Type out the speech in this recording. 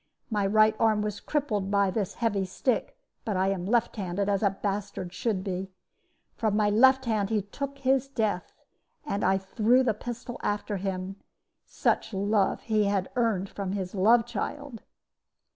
My right arm was crippled by his heavy stick; but I am left handed, as a bastard should be. From my left hand he took his death, and I threw the pistol after him: such love had he earned from his love child!"